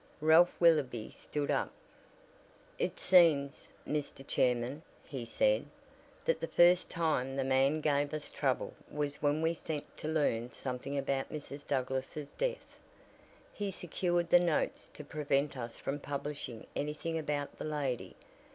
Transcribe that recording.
Ralph Willoby stood up. "It seems, Mr. Chairman," he said, "that the first time the man gave us trouble was when we sent to learn something about Mrs. Douglass' death. He secured the notes to prevent us from publishing anything about the lady.